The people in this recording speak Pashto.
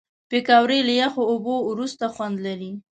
پکورې له یخو اوبو وروسته خوند لري